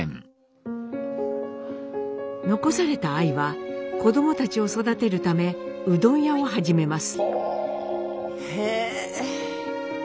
残されたアイは子どもたちを育てるためうどん屋を始めます。